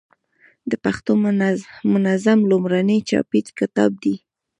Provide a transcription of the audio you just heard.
د پښتو منظم لومړنی چاپي کتاب دﺉ.